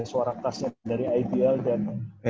suara khasnya dari ibl dan